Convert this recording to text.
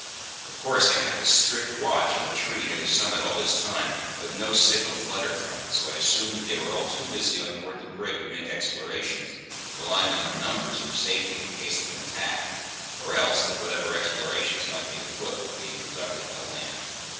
Of course I kept a strict watch on the tree near the summit all this time; but no signal fluttered from it, so I assumed that they were all too busy on board the brig to make explorations, relying on their numbers for safety in case of an attack; or else, that whatever explorations might be afoot were being conducted by land.